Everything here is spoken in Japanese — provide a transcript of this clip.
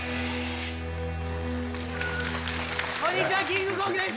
こんにちはキングコングです。